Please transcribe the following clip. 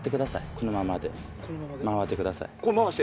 このままで回ってください。